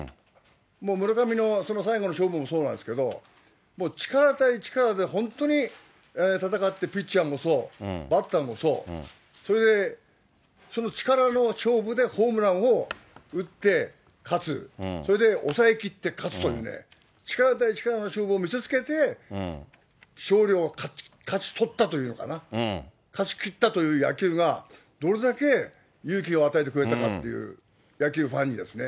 もう村上の最後の勝負もそうなんですけど、もう力対力で、本当に戦って、ピッチャーもそう、バッターもそう、それで、その力の勝負でホームランを打って勝つ、それで抑えきって勝つというね、力対力の勝負を見せつけて、勝利を勝ち取ったというのかな、勝ちきったという野球が、どれだけ勇気を与えてくれたかっていう、野球ファンにですね。